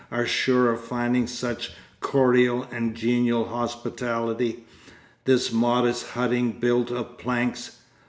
are sure of finding such cordial and genial hospitality this modest hutting built of planks?